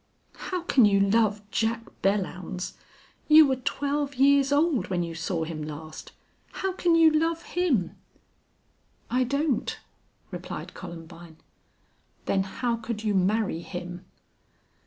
"How can you love Jack Belllounds? You were twelve years old when you saw him last. How can you love him?" "I don't" replied Columbine. "Then how could you marry him?"